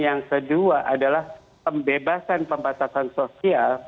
yang kedua adalah pembebasan pembatasan sosial